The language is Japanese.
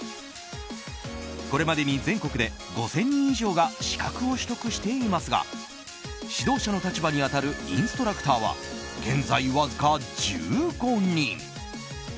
これまでに全国で５０００人以上が資格を取得していますが指導者の立場に当たるインストラクターは現在わずか１５人。